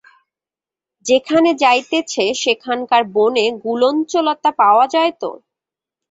যেখানে যাইতেছে, সেখানকার বনে গুলঞ্চলতা পাওয়া যায় তো?